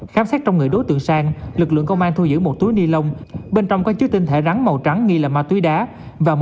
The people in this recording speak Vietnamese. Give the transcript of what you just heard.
khám xét trong người đối tượng sang lực lượng công an thu giữ một túi ni lông bên trong có chứa tinh thể rắn màu trắng nghi là ma túy đá và một